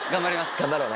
頑張ろうね。